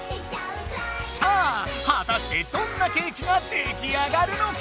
さあはたしてどんなケーキが出来上がるのか？